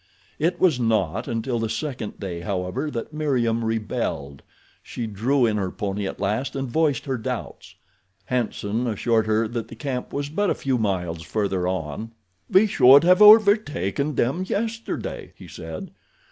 It was not until the second day, however, that Meriem rebelled. She drew in her pony at last and voiced her doubts. Hanson assured her that the camp was but a few miles further on. "We should have overtaken them yesterday," he said.